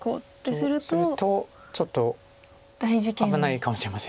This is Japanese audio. するとちょっと危ないかもしれません。